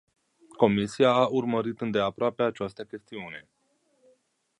Comisia a urmărit îndeaproape această chestiune.